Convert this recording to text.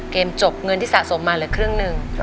เกมจบเงินสะสมมาคลื่นครึ่งเลย